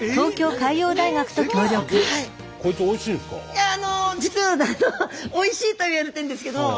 いやあの実はおいしいとはいわれてるんですけど。